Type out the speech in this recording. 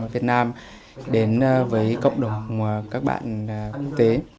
việt nam đến với cộng đồng các bạn quốc tế